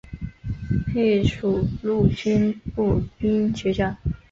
配属陆军步兵学校。